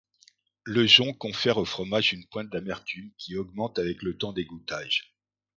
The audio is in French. Le jonc confère au fromage une pointe d'amertume qui augmente avec le temps d'égouttage.